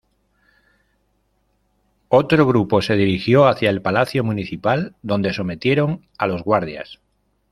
Otro grupo se dirigió hacia el Palacio Municipal donde sometieron a los guardias.